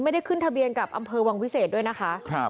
ไม่ได้ขึ้นทะเบียนกับอำเภอวังวิเศษด้วยนะคะ